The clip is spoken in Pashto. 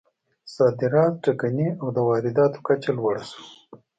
صادرات ټکني او د وارداتو کچه لوړه شوه.